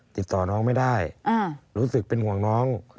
ติดต่อน้องไม่ได้รู้สึกเป็นห่วงน้อง